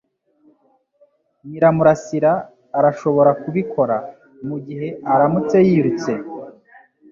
Nyiramurasira arashobora kubikora mugihe aramutse yirutse.